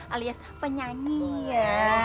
alias penyanyi ya